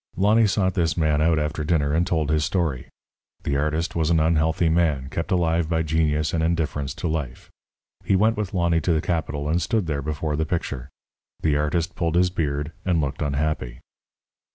Lonny sought this man out after dinner and told his story. The artist was an unhealthy man, kept alive by genius and indifference to life. He went with Lonny to the Capitol and stood there before the picture. The artist pulled his beard and looked unhappy.